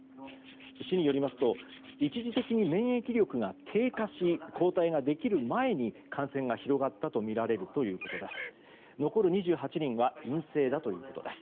市によりますと一時的に免疫力が低下し抗体ができる前に感染が広がったとみられるということです。